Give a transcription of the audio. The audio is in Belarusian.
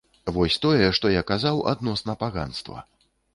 Вось тое, што я казаў адносна паганства.